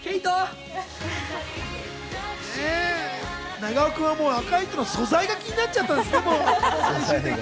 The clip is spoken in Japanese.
長尾君は赤い糸の素材が気になっちゃったんですね。